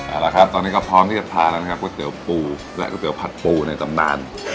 เอาละครับตอนนี้ก็พร้อมที่จะทานแล้วนะครับก๋วยเตี๋ยวปูและก๋วเตี๋ผัดปูในตำนาน